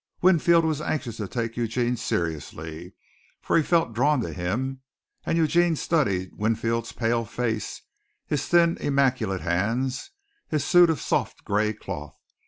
Winfield was anxious to take Eugene seriously, for he felt drawn to him and Eugene studied Winfield's pale face, his thin, immaculate hands, his suit of soft, gray cloth.